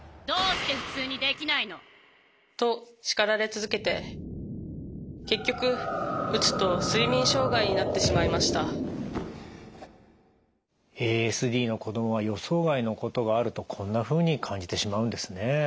どうして普通にできないの？と叱られ続けて結局うつと睡眠障害になってしまいましたＡＳＤの子どもは予想外のことがあるとこんなふうに感じてしまうんですね。